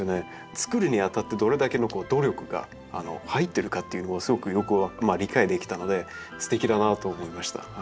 つくるにあたってどれだけの努力が入ってるかというのがすごくよく理解できたのですてきだなと思いました。